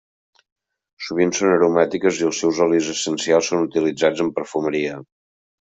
Sovint són aromàtiques i els seus olis essencials són utilitzats en perfumeria.